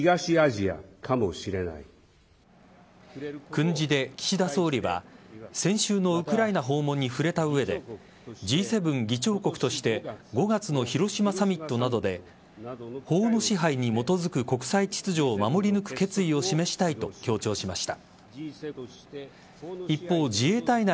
訓示で岸田総理は先週のウクライナ訪問に触れた上でＧ７議長国として５月の広島サミットなどで法の支配に基づく国際秩序を守り抜く決意を示したいと強調しました。